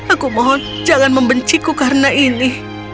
aku mohon jangan membenciku karena ini